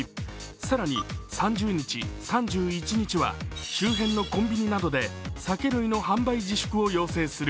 更に３０日、３１日は周辺のコンビニなどで酒類の販売自粛を要請する。